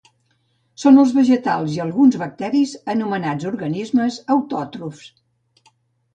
Són els vegetals i alguns bacteris, anomenats organismes autòtrofs